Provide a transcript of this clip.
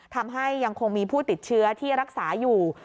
ยังคงมีผู้ติดเชื้อที่รักษาอยู่